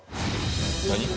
何？